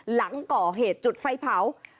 หลังก่อเหตุจุดไฟเผา